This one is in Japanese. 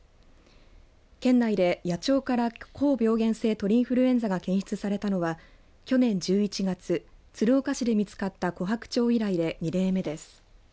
県内で野鳥から高病原性鳥インフルエンザが検出されたのは去年１１月、鶴岡市で見つかったコハクチョウ以来２例目です。